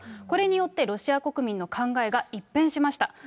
これによってロシア国民の考えが一変しました。